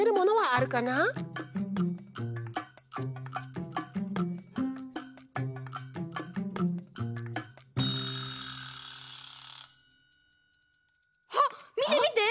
あっみてみて！